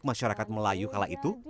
masyarakat melayu kala itu